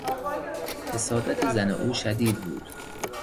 حسادت زن او شدید بود.